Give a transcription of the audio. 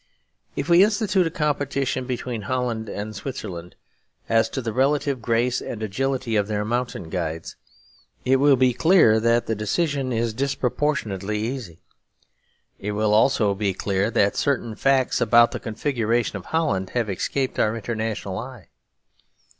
If we institute a competition between Holland and Switzerland as to the relative grace and agility of their mountain guides, it will be clear that the decision is disproportionately easy; it will also be clear that certain facts about the configuration of Holland have escaped our international eye.